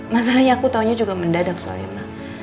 masalahnya aku taunya juga mendadak soalnya